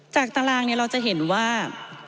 จากตารางนี้เราจะเห็นว่า